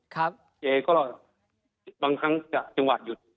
ครับเจกบ้างค่างจะจังหวะหยุด